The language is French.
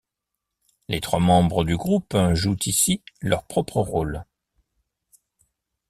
Les trois membres du groupe jouent ici leur propre rôle.